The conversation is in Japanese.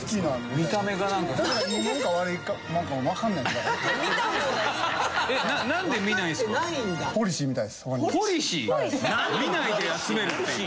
見ないで集めるっていう。